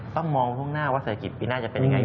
ต้องมองข้างหน้าว่าเศรษฐกิจปีหน้าจะเป็นยังไง